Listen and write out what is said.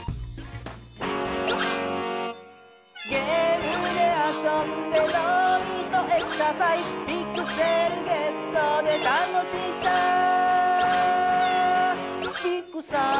「ゲームであそんでのうみそエクササイズ」「ピクセルゲットでたのしさビッグサイズ」